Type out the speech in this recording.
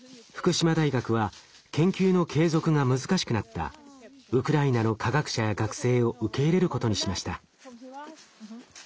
大学は研究の継続が難しくなったウクライナの科学者や学生を受け入れることにしました。